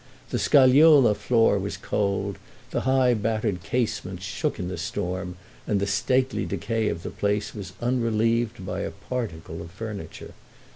The scagliola floor was cold, the high battered casements shook in the storm, and the stately decay of the place was unrelieved by a particle of furniture.